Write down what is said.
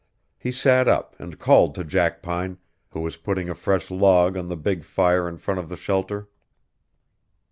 He sat up and called to Jackpine, who was putting a fresh log on the big fire in front of the shelter.